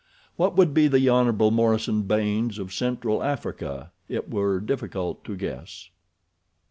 What would be the Hon. Morison Baynes of central Africa it were difficult to guess.